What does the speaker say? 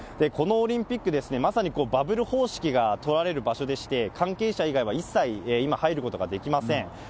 このオリンピックですね、まさにバブル方式が取られる場所でして、関係者以外は一切今、入ることができません。